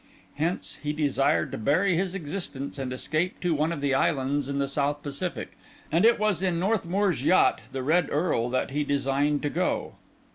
Hence, he desired to bury his existence and escape to one of the islands in the South Pacific, and it was in Northmour's yacht, the Red Earl, that he designed to go.